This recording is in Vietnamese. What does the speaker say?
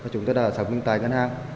chúng tôi đã xác minh tài khoản